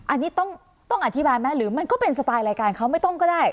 อันนี้ต้องอธิบายไหมหรือมันก็เป็นสไตล์รายการเขาไม่ต้องก็ได้